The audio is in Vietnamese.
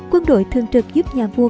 quân đội thường trực giúp nhà vua